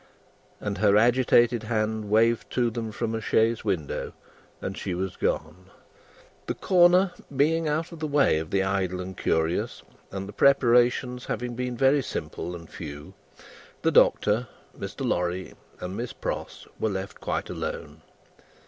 And her agitated hand waved to them from a chaise window, and she was gone. The corner being out of the way of the idle and curious, and the preparations having been very simple and few, the Doctor, Mr. Lorry, and Miss Pross, were left quite alone.